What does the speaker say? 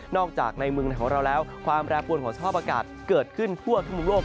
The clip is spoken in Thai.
อกจากในเมืองไทยของเราแล้วความแปรปวนของสภาพอากาศเกิดขึ้นทั่วทุกมุมโลก